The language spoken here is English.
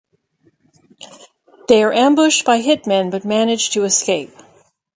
They are ambushed by hitmen but manage to escape.